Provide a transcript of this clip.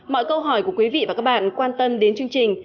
mọi câu hỏi của quý vị và các bạn quan tâm đến thẻ vàng